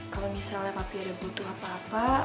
kalau misalnya tapi ada butuh apa apa